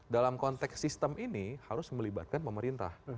dalam konteks sistem ini harus melibatkan pemerintah